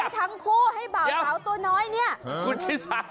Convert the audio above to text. ทำไมคุณทิสา